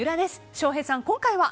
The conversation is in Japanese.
翔平さん、今回は？